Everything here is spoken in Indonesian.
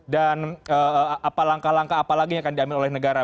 dan apa langkah langkah apa lagi yang akan diambil oleh negara